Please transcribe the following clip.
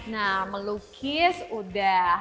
nah melukis udah